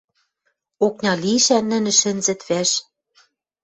Окня лишӓн нӹнӹ шӹнзӹт вӓш.